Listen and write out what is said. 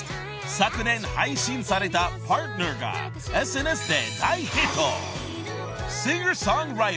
［昨年配信された『Ｐａｒｔｎｅｒ』がＳＮＳで大ヒット］